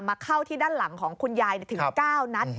เข้าที่ด้านหลังของคุณยายถึง๙นัด